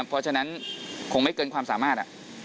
เพราะฉะนั้นคงไม่เกินความสามารถ